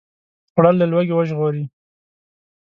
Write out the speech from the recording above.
خوړل له لوږې وژغوري